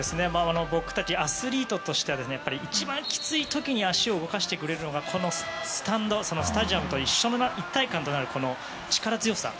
僕たちアスリートとしては一番きつい時に足を動かしてくれるのがスタジアムと一体感となる力強さ。